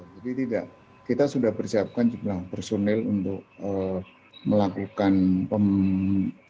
jadi tidak kita sudah persiapkan jumlah personil untuk melakukan pemindahan